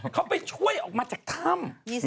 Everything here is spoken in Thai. เขาไปช่วยออกมาจากถ้ำ